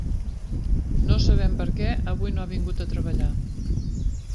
No sabem per què avui no ha vingut a treballar.